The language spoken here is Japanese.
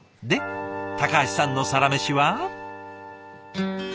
で橋さんのサラメシは？